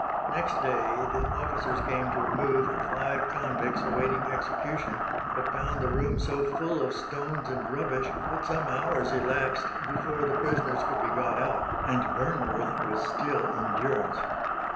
Next day the officers came to remove five convicts awaiting execution, but found the room so full of stones and rubbish that some hours elapsed before the prisoners could be got out, and Burnworth was still in durance.